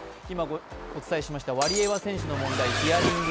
今お伝えしましたワリエワ選手の問題。